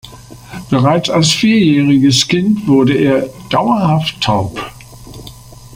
Bereits als vierjähriges Kind wurde er dauerhaft taub.